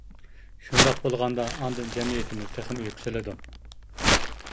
شۇنداق بولغاندا ئاندىن جەمئىيىتىمىز تېخىمۇ يۈكسىلىدۇ.